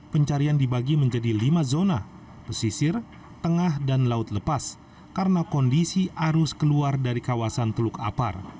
pencarian dibagi menjadi lima zona pesisir tengah dan laut lepas karena kondisi arus keluar dari kawasan teluk apar